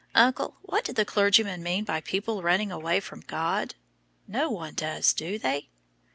Uncle, what did the clergyman mean by people running away from God? No one does, do they?"